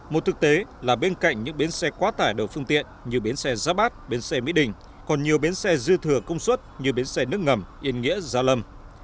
một thực tế là bên cạnh những bến xe quá tải đầu phương tiện như bến xe giáp bát bến xe mỹ đình còn nhiều bến xe dư thừa công suất như bến xe nước ngầm yên nghĩa gia lâm